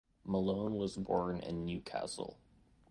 Malone was born in Newcastle.